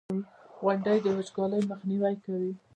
• غونډۍ د وچکالۍ مخنیوی کوي.